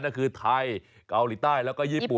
นั่นคือไทยเกาหลีใต้แล้วก็ญี่ปุ่น